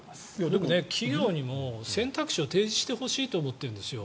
でも、企業にも選択肢を提示してほしいと思っているんですよ。